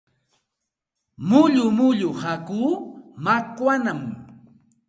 Mullu mullu hakuu makwanaami.